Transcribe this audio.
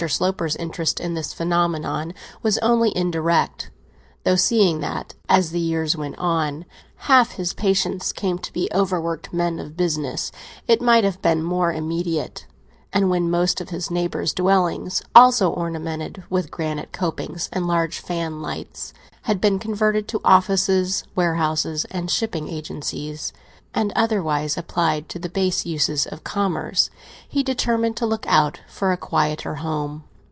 Sloper's interest in this phenomenon was only indirect—though, seeing that, as the years went on, half his patients came to be overworked men of business, it might have been more immediate—and when most of his neighbours' dwellings (also ornamented with granite copings and large fanlights) had been converted into offices, warehouses, and shipping agencies, and otherwise applied to the base uses of commerce, he determined to look out for a quieter home.